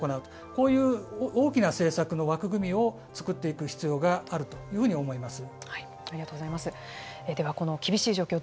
こういう大きな政策の枠組みを作っていく必要があるありがとうございます。